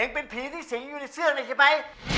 เอ็งเป็นผีที่สิงอยู่ในเสื้อนี่ใช่มั้ย